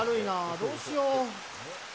どうしよう。